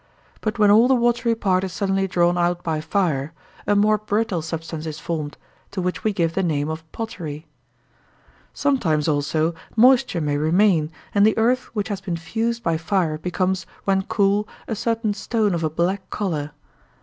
But when all the watery part is suddenly drawn out by fire, a more brittle substance is formed, to which we give the name of pottery. Sometimes also moisture may remain, and the earth which has been fused by fire becomes, when cool, a certain stone of a black colour.